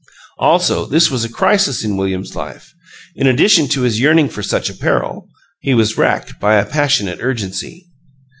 Also, this was a crisis in William's life: in addition to his yearning for such apparel, he was racked by a passionate urgency.